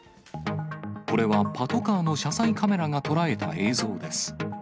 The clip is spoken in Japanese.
これはパトカーの車載カメラが捉えた映像です。